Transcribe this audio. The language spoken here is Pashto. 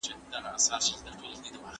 وګرځیده هغه څوک چي خپله لاره یې بدله کړه.